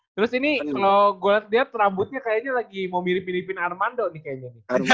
terus ini kalau gue liat rambutnya kayaknya lagi mau miripin armando nih kayaknya